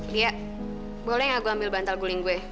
dia boleh gak gue ambil bantal guling gue